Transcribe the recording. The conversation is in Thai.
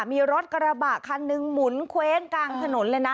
มีรถกระบะคันหนึ่งหมุนเว้งกลางถนนเลยนะ